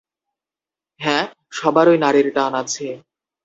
হ্যাঁ, সবারই নাড়ীর টান আছে।